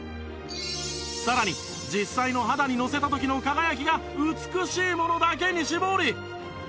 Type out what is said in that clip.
さらに実際の肌にのせた時の輝きが美しいものだけに絞り